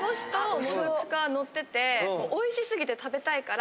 おいしすぎて食べたいから。